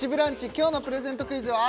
今日のプレゼントクイズは？